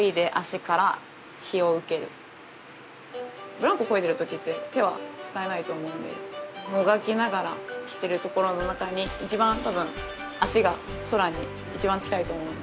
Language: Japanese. ブランコこいでる時って手は使えないと思うんでもがきながら来てるところの中に一番多分足が空に一番近いと思うんで。